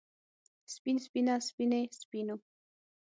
سپين سپينه سپينې سپينو